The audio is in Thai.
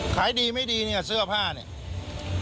ขายดีไม่ดีเนี่ยเสื้อผ้าเนี่ย